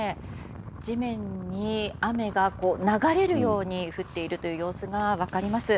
地面に雨が流れるように降っている様子が分かります。